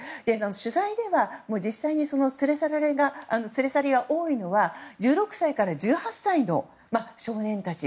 取材では実際に連れ去りが多いのは１６歳から１８歳の少年たち。